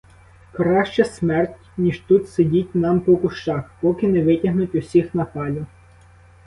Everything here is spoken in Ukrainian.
Краще смерть, ніж тут сидіть нам по кущах, поки не витягнуть усіх на палю!